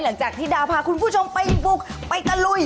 หลังจากที่ดาวพาคุณผู้ชมไปบุกไปตะลุย